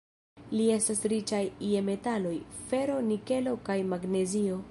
Ili estas riĉaj je metaloj: fero, nikelo kaj magnezio.